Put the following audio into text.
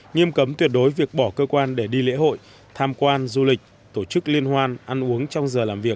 nghiêm cấm tuyệt đối việc bỏ cơ quan để đi lễ hội tham quan du lịch tổ chức liên hoan ăn uống trong giờ làm việc